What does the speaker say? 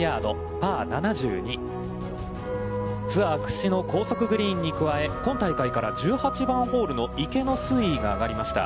ツアー屈指の高速グリーンに加え、今大会から１８番ホールの池の水位が上がりました。